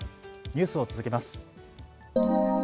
ニュースを続けます。